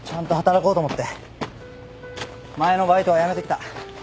前のバイトは辞めてきた。